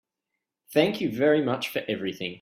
Thank you very much for everything.